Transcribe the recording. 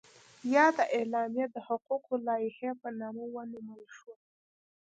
یاده اعلامیه د حقوقو لایحه په نامه ونومول شوه.